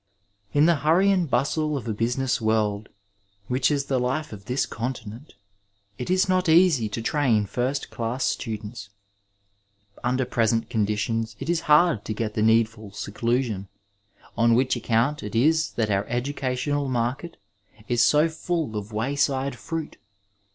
In the hurry and bustle of a business world, which is the 418 Digitized by Google THE STUDENT LIFE life of this continent, it is not easy to train first class students. Under present conditions it is hard to get the needful seclusion, on which account it is that our educational market is so full of waj^de fruit.